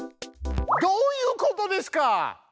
どういうことですか？